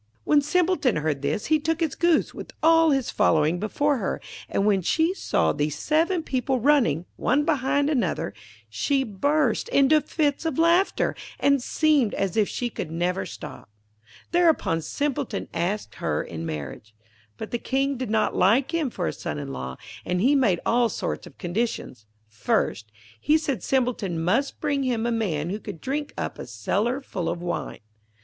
When Simpleton heard this he took his Goose, with all his following, before her, and when she saw these seven people running, one behind another, she burst into fits of laughter, and seemed as if she could never stop. Thereupon Simpleton asked her in marriage. But the King did not like him for a son in law, and he made all sorts of conditions. First, he said Simpleton must bring him a man who could drink up a cellar full of wine.